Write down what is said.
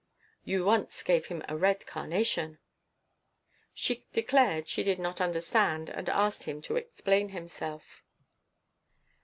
"You once gave him a red carnation." She declared she did not understand and asked him to explain himself.